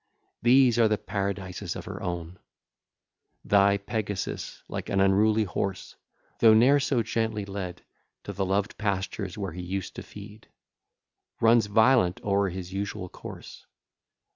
These are the paradises of her own: Thy Pegasus, like an unruly horse, Though ne'er so gently led, To the loved pastures where he used to feed, Runs violent o'er his usual course.